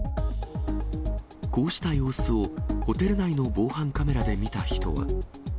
こうした様子を、ホテル内の防犯カメラで見た人は。